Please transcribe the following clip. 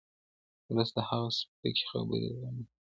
ولس د هغه سپکې خبرې زغملې.